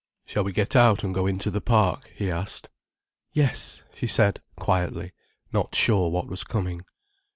"Shall we get out and go into the park," he asked. "Yes," she said, quietly, not sure what was coming.